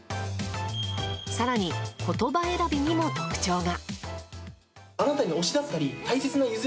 更に、言葉選びにも特徴が。